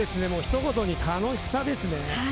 ひと言に楽しさですね。